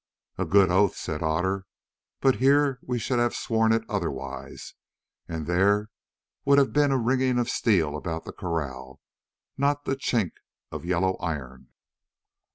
"A good oath," said Otter, "but here we should have sworn it otherwise, and there would have been a ringing of steel about that kraal, not the chink of yellow iron."